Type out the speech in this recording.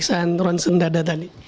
pemeriksaan ronsen dada tadi